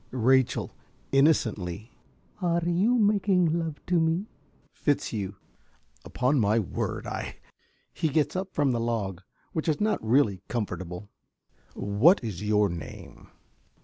~Rachel~ (innocently). Are you making love to me? ~Fitzhugh.~ Upon my word I (He gets up from the log, which is not really comfortable.) What is your name?